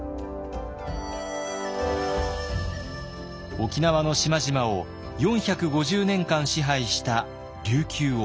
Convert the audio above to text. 沖縄の島々を４５０年間支配した琉球王国。